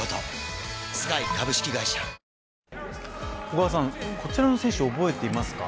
小川さん、こちらの選手覚えていますか？